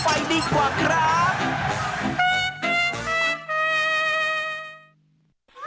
คว้าไฟดีกว่าครับ